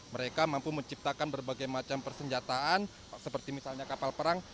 mereka mampu menciptakan berbagai macam persenjataan seperti misalnya kapal perang